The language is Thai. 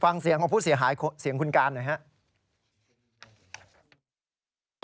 ฟังเสียงของผู้เสียหายเสียงคุณการหน่อยครับ